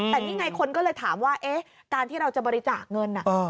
แต่นี่ไงคนก็เลยถามว่าการที่เราจะบริจาคเงิน